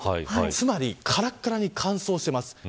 つまりからからに乾燥しています。